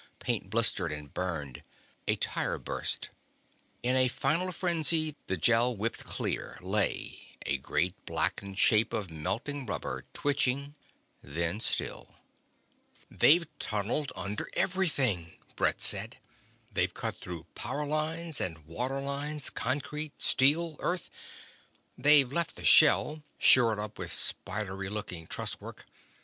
Paint blistered and burned. A tire burst. In a final frenzy, the Gel whipped clear, lay, a great blackened shape of melting rubber, twitching, then still. "They've tunneled under everything," Brett said. "They've cut through power lines and water lines, concrete, steel, earth; they've left the shell, shored up with spidery looking trusswork.